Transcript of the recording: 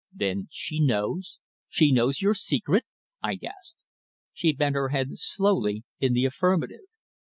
"Then she knows she knows your secret?" I gasped. She bent her head slowly in the affirmative.